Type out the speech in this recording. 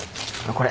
これ。